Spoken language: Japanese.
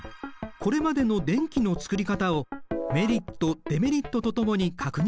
これまでの電気の作り方をメリット・デメリットと共に確認しよう。